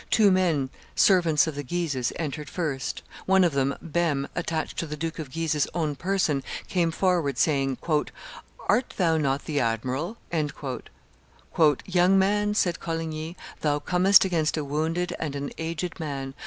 Two men, servants of the Guises, entered first. One of them, Behme, attached to the Duke of Guise's own person, came forward, saying, "Art thou not the admiral?" "Young man," said Coligny, "thou comest against a wounded and an aged man.